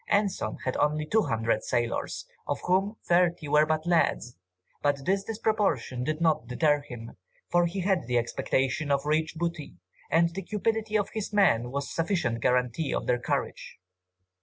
Anson had only 200 sailors, of whom thirty were but lads, but this disproportion did not deter him, for he had the expectation of rich booty, and the cupidity of his men was sufficient guarantee of their courage.